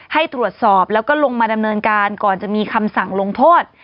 ให้ตรวจสอบแล้วก็ลงมาดำเนินการก่อนจะมีคำสั่งลงโทษ